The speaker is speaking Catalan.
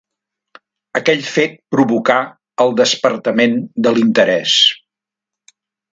Aquell fet provocà el despertament de l'interès.